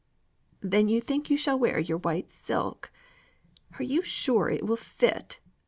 "Then you think you shall wear your white silk. Are you sure it will fit?